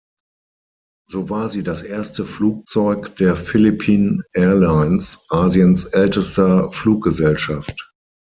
So war sie das erste Flugzeug der Philippine Airlines, Asiens ältester Fluggesellschaft.